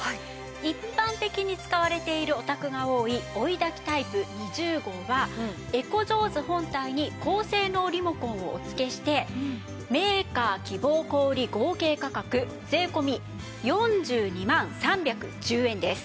一般的に使われているお宅が多い追い焚きタイプ２０号はエコジョーズ本体に高性能リモコンをお付けしてメーカー希望小売合計価格税込４２万３１０円です。